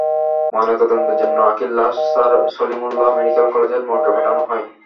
ময়নাতদন্তের জন্য আঁখির লাশ স্যার সলিমুল্লাহ মেডিকেল কলেজের মর্গে পাঠানো হয়।